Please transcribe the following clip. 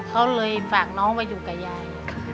เขาเลยฝากน้องมาอยู่กับยาย